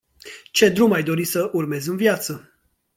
Ce drum ai dori să urmezi în viață.